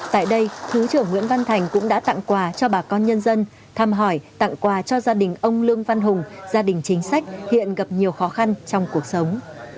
tại đây thứ trưởng nguyễn văn thành cũng đã tặng quà cho bà con nhân dân thăm hỏi tặng quà cho gia đình ông lương văn hùng gia đình chính sách hiện gặp nhiều khó khăn trong cuộc sống